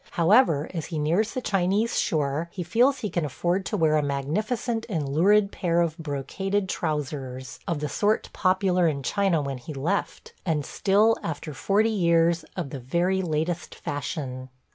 However, as he nears the Chinese shore he feels he can afford to wear a magnificent and lurid pair of brocaded trousers, of the sort popular in China when he left, and still – after forty years – of the very latest fashion.